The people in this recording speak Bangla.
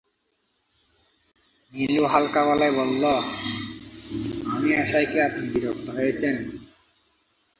নীলু হালকা গলায় বলল, আমি আসায় কি আপনি বিরক্ত হয়েছেন?